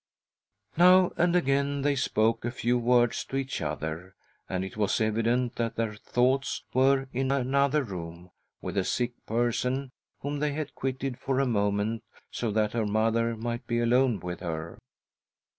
Now and again they spoke a few words to each other, and it was evident that their thoughts were in another room with a sick person whom they had quitted for a moment so that her mother might be alone with her.